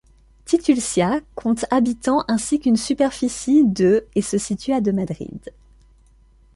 Titulcia compte habitants ainsi qu'une superficie de et se situe à de Madrid.